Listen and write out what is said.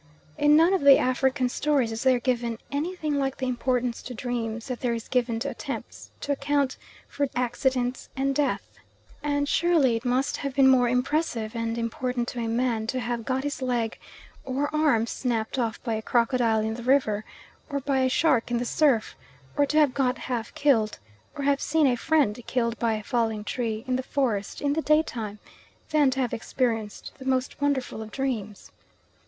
In none of the African stories is there given anything like the importance to dreams that there is given to attempts to account for accidents and death; and surely it must have been more impressive and important to a man to have got his leg or arm snapped off by a crocodile in the river, or by a shark in the surf, or to have got half killed, or have seen a friend killed by a falling tree in the forest in the day time, than to have experienced the most wonderful of dreams.